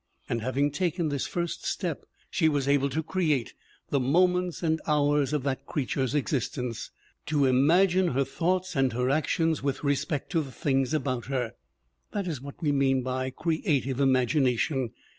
And having taken this first step she was able to create the moments and hours of that creature's existence, to imagine her thoughts and her actions with respect to the things about her. That is what we mean by crea tive imagination.